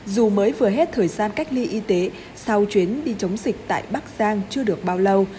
dù mới vừa hết thời gian cách ly y tế sau chuyến đi chống dịch tại bắc giang chưa được bao lâu